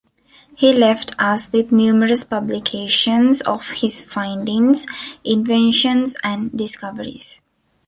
He left us with numerous publications of his findings, inventions, and discoveries.